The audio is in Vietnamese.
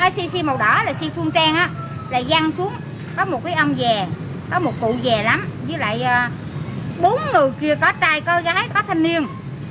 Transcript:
xe xe màu đỏ là xe phương trang là văng xuống có một ông về có một cụ về lắm với lại bốn người kia có trai có gái có thanh niên